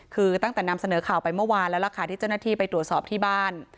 คือตั้งแต่นำเสนอข่าวไปเมื่อวานแล้วล่ะค่ะที่เจ้าหน้าที่ไปตรวจสอบที่บ้าน